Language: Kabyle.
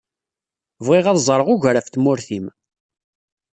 Bɣiɣ ad ẓṛeɣ ugar ɣef tmurt-im.